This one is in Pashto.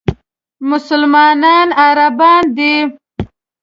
مسلمانانو عربان دي.